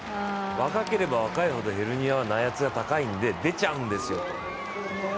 若ければ若いほどヘルニアは内圧が高いんで出ちゃうんですよと。